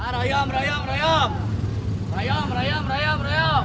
rahyam rahyam rahyam